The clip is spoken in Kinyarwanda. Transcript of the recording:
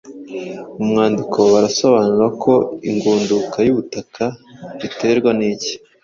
Mu mwandiko barasobanura ko igunduka ry’ubutaka riterwa n,iki